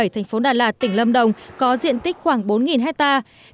thành phố đà lạt tỉnh lâm đồng có diện tích khoảng bốn hectare